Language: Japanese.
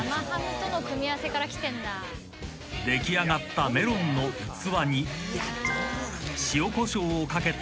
［出来上がったメロンの器に］